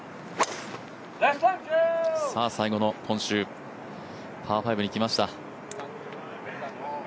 最後のパー５にきました。